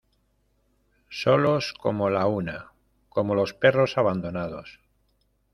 solos como la una, como los perros abandonados.